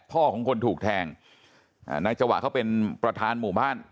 ของคนถูกแทงนายจวะเขาเป็นประธานหมู่บ้าน